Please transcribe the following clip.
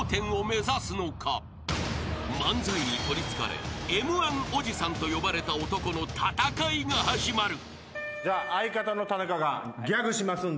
［漫才に取りつかれＭ−１おじさんと呼ばれた男の戦いが始まる］